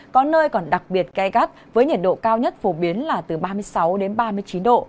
có nơi còn đặc biệt gai gắt với nhiệt độ cao nhất phổ biến là từ ba mươi sáu đến ba mươi chín độ